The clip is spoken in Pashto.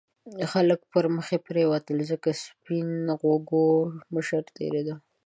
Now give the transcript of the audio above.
خلک پرمخې پرېوتل ځکه سپین غوږو مشر تېرېده.